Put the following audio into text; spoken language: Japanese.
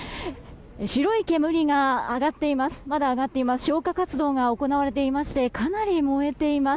白い煙がまだ上がっています。